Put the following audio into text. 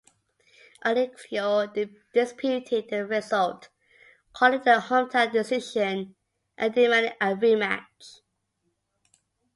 Alexio disputed the result, calling it a "hometown decision" and demanding a rematch.